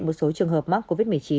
một số trường hợp mắc covid một mươi chín